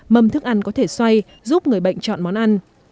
mâm thức ăn có thể xoay giúp người bệnh chọn món ăn